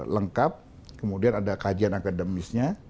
lengkap kemudian ada kajian akademisnya